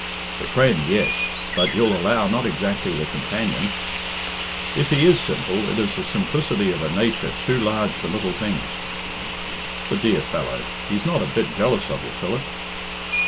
"The friend, yes, but you'll allow not exactly the companion " "If he is simple, it is the simplicity of a nature too large for little things." "The dear fellow! He's not a bit jealous of you, Philip."